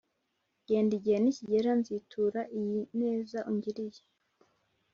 Genda igihe nikigera nzitura iyi neza ungiriye